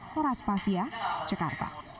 nora spasia jakarta